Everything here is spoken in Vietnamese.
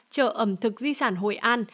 chợ ẩm thực di sản hội an